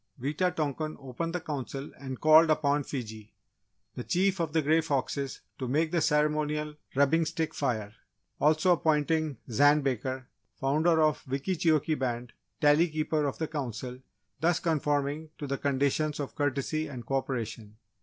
Wita tonkan opened the Council and called upon Fiji, the Chief of the Grey Foxes, to make the ceremonial rubbing stick fire, also appointing Zan Baker, Founder of Wickeecheokee Band, Tally Keeper of the Council, thus conforming to the conditions of courtesy and co operation.